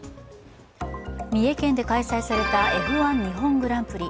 三重県で開催されたＦ１日本グランプリ。